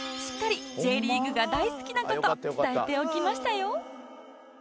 しっかり Ｊ リーグが大好きな事伝えておきましたよ